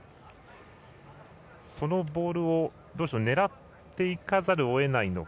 そのボールを狙っていかざるをえないのか。